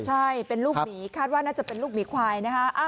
ใช่เป็นลูกหมีคาดว่าน่าจะเป็นลูกหมีควายนะคะ